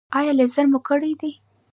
ایا لیزر مو کړی دی؟